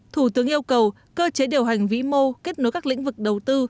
thủ tướng yêu cầu cơ chế điều hành vĩ mô kết nối các lĩnh vực đầu tư